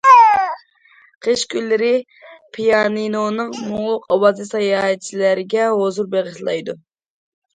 قىش كۈنلىرى پىيانىنونىڭ مۇڭلۇق ئاۋازى ساياھەتچىلەرگە ھۇزۇر بېغىشلايدۇ.